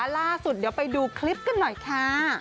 ล่าสุดเดี๋ยวไปดูคลิปกันหน่อยค่ะ